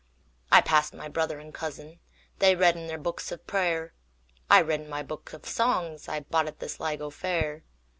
I passed my brother and cousin:They read in their books of prayer;I read in my book of songsI bought at the Sligo fair.